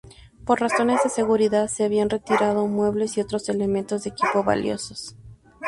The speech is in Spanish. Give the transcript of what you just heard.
Por razones de seguridad se habían retirado muebles y otros elementos de equipo valiosos.